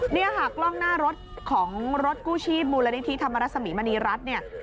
เนี่ยค่ะกล้องหน้ารถของรถกู้ชีพมูลนิธิธรรมรสมีมณีรัฐเนี่ย